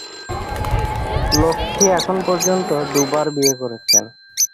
লক্ষ্মী এখন পর্যন্ত দুবার বিয়ে করেছেন।